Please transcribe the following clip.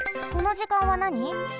この時間はなに？